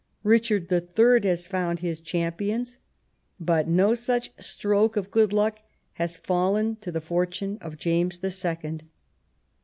Bichard the Third has found his cham pions, but no such stroke of good luck has fallen to the fortune of James the Second.